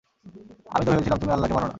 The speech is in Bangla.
আমি তো ভেবেছিলাম তুমি আল্লাহ্ কে মানো না।